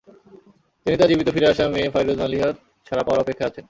তিনি তাঁর জীবিত ফিরে আসা মেয়ে ফাইরুজ মালিহার ছাড়া পাওয়ার অপেক্ষায় আছেন।